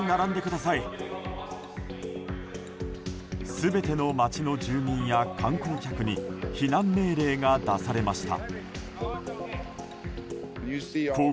全ての街の住民や観光客に避難命令が出されました。